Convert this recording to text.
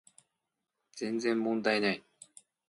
全然問題ない